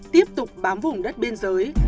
tiếp tục bám vùng đất biên giới